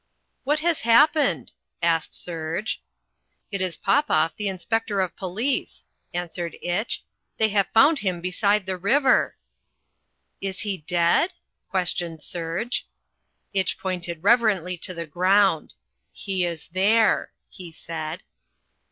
"What has happened?" asked Serge. "It is Popoff, inspector of police," answered Itch. "They have found him beside the river." "Is he dead?" questioned Serge. Itch pointed reverently to the ground "He is there!" he said.